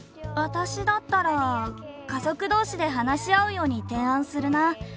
私だったら家族同士で話し合うように提案するな。